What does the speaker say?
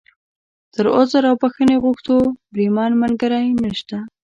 تر عذر او بښنې غوښتو، بریمن ملګری نشته.